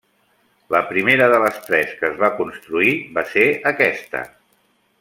La primera de les tres que es va construir va ser aquesta.